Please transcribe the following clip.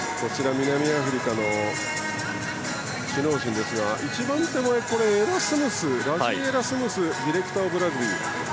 南アフリカの首脳陣ですが一番下の、エラスムスさんはディレクターオブラグビー。